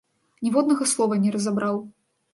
Ніводнага слова не разабраў.